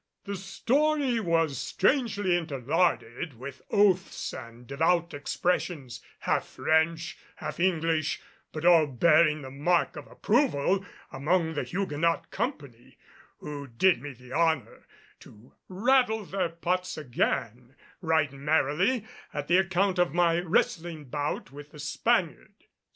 The story was strangely interlarded with oaths and devout expressions, half French, half English, but all bearing the mark of approval among the Huguenot company, who did me the honor to rattle their pots again right merrily at the account of my wrestling bout with the Spaniard.